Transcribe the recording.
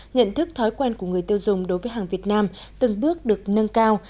nhận thức thói quen của người tiêu dùng đối với hàng việt nam từng bước được nâng cao